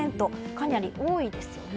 かなり多いですよね。